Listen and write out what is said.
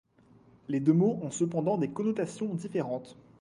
Les deux mots ont cependant des connotations différentes.